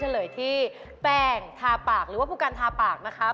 เฉลยที่แป้งทาปากหรือว่าผู้กันทาปากนะคะ